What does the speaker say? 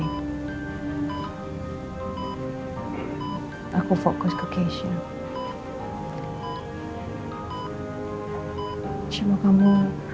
aku ingat waktu sebelum kejadian kamu sangat panik sekali